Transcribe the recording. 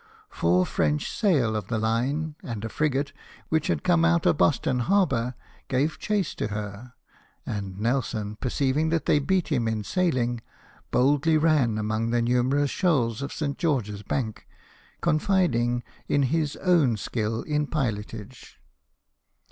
Four French sail of the line and a frigate, which bad come out of Boston harbour, gave chase to her : and Nelson, perceiving that they beat him in sailing, boldly ran among the numerous shoals of St. George's Bank, confiding in his own skill in pilotage.